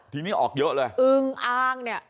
ทีนี้ออกเยอะเลยอึงอ้างเนี่ย